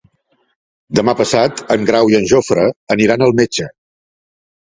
Demà passat en Grau i en Jofre aniran al metge.